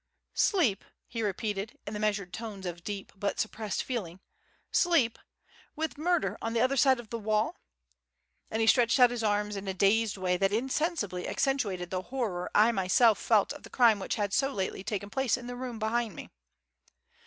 "Sleep!" he repeated, in the measured tones of deep but suppressed feeling. "Sleep! with murder on the other side of the wall!" And he stretched out his arms in a dazed way that insensibly accentuated the horror I myself felt of the crime which had so lately taken place in the room behind me.